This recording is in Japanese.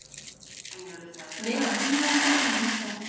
目が黄色になっていました。